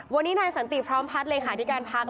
วันนี้นายสันติพร้อมพัฒน์เลขาธิการพัก